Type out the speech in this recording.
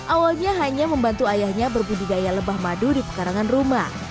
awalnya hanya membantu ayahnya berbudidaya lebah madu di pekarangan rumah